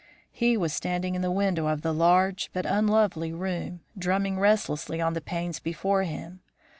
"He was standing in the window of the large but unlovely room, drumming restlessly on the panes before him.